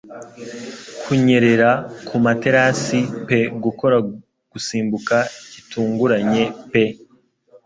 Kunyerera ku materasi pe gukora gusimbuka gitunguranye pe